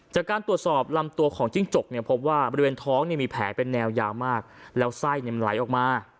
จากการตรวจสอบลำตัวของจิ้งจกเนี่ยพบว่าบริเวณท้องเนี่ยมีแผลเป็นแนวยาวมากแล้วไส้มันไหลออกมา